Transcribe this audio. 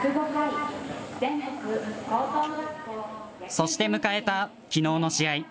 そして迎えたきのうの試合。